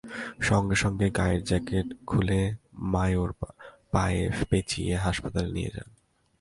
সঙ্গে সঙ্গে গায়ের জ্যাকেট খুলে মায়োর পায়ে পেঁচিয়ে হাসপাতালে নিয়ে যান।